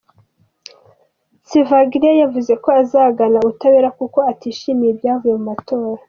Tsvangirai yavuze ko azagana ubutabera kuko atishimiye ibyavuye mu matora.